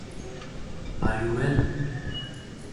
Ediacaran of the Russian Federation (Arkhangelsk).